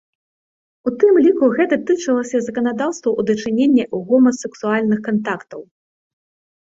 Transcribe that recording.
У тым ліку гэта тычылася і заканадаўства ў дачыненні гомасексуальных кантактаў.